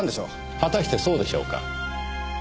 果たしてそうでしょうか。